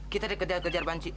kita dikejar kejar banci